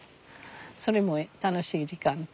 それも楽しい時間とか。